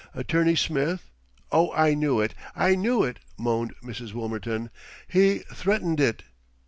"Attorney Smith " "Oh, I knew it! I knew it!" moaned Mrs. Wilmerton. "He threatened it!"